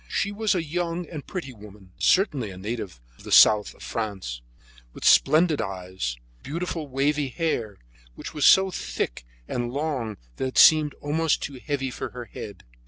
She was a young and pretty woman, certainly a native of the south of France, with splendid eyes, beautiful wavy black hair, which was so thick and long that it seemed almost too heavy for her head.